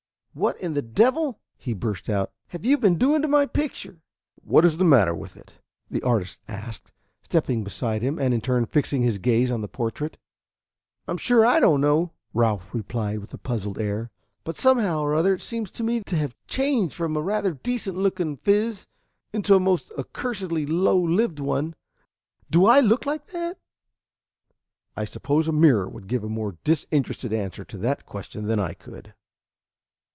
"What in the devil," he burst out, "have you been doing to my picture?" "What is the matter with it?" the artist asked, stepping beside him, and in turn fixing his gaze on the portrait. "I'm sure I don't know," Ralph replied, with a puzzled air; "but somehow or other it seems to me to have changed from a rather decent looking phiz into a most accursedly low lived one. Do I look like that?" "I suppose a mirror would give a more disinterested answer to that question than I could."